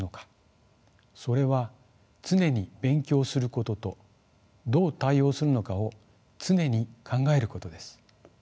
それは常に勉強することとどう対応するのかを常に考えることです。